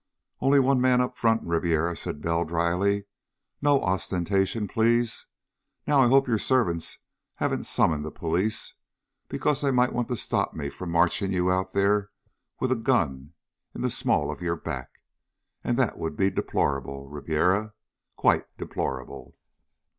"Only one man up front, Ribiera," said Bell dryly. "No ostentation, please. Now, I hope your servants haven't summoned the police, because they might want to stop me from marching you out there with a gun in the small of your back. And that would be deplorable, Ribiera. Quite deplorable."